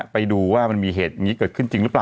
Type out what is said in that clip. ไปดูว่ามีเหตุเกิดขึ้นจริงรึเปล่า